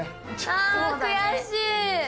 あ悔しい。